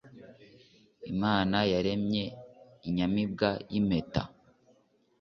Imana yaremye inyamibwa y’ Impeta